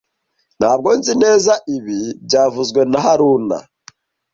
Ntabwo nzi neza ibi byavuzwe na haruna